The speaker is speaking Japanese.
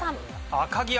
赤城山。